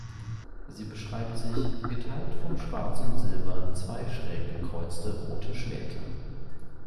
Sie beschreibt sich: "Geteilt von Schwarz und Silber zwei schräggekreuzte rote Schwerter.